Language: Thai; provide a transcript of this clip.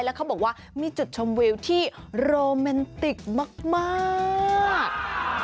แล้วเขาบอกว่ามีจุดชมวิวที่โรแมนติกมาก